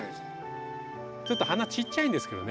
ちょっと花ちっちゃいんですけどね